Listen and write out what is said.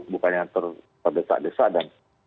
bukan yang terdesak desak